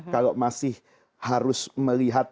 kalau masih harus melihat